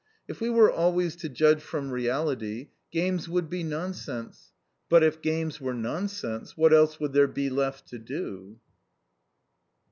If we were always to judge from reality, games would be nonsense; but if games were nonsense, what else would there be left to do?